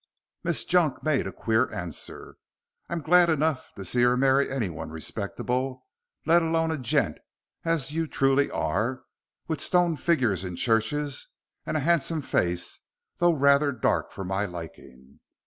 Miss Junk made a queer answer. "I'm glad enough to see her marry anyone respectable, let alone a gent, as you truly are, with stone figgers in churches and a handsome face, though rather dark for my liking.